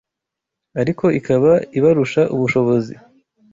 ariko ikaba ibarusha ubushobozi